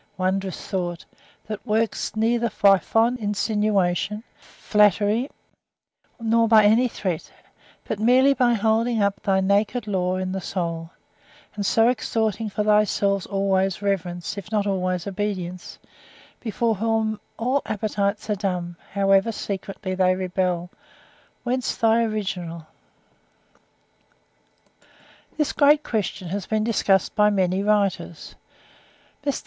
Wondrous thought, that workest neither by fond insinuation, flattery, nor by any threat, but merely by holding up thy naked law in the soul, and so extorting for thyself always reverence, if not always obedience; before whom all appetites are dumb, however secretly they rebel; whence thy original?" (3. 'Metaphysics of Ethics,' translated by J.W. Semple, Edinburgh, 1836, p. 136.) This great question has been discussed by many writers (4. Mr.